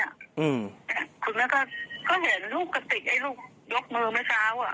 คุณแม่ก็ก็เห็นลูกกระติกไอ้ลูกยกมือเมื่อเช้าอ่ะ